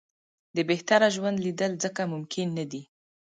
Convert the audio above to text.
د بهتره ژوند لېدل ځکه ممکن نه دي.